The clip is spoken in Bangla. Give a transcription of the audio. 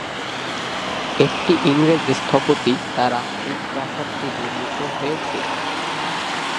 একটি ইংরেজ স্থপতি দ্বারা এই প্রাসাদ টি নির্মিত হয়েছিল।